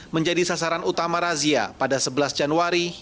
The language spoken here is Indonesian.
menjadi sasaran utama razia pada sebelas januari